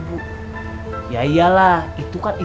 bapaknya gak mau nyanyi